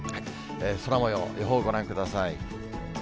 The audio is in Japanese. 空もよう、予報ご覧ください。